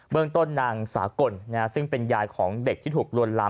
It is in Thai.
เมืองต้นนางสากลซึ่งเป็นยายของเด็กที่ถูกลวนลาม